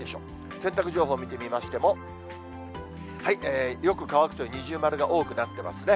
洗濯情報見てみましても、よく乾くという二重丸が多くなっていますね。